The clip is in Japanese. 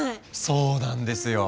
そうなんですよ。